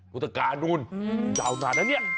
มุฒิกานุลยาวนานแล้วเนี่ย